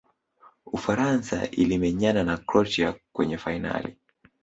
ufaransa ilimenyana na croatia kwenye fainali